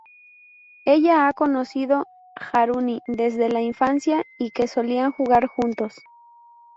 Ella ha conocido Haruhi desde la infancia y que solían jugar juntos.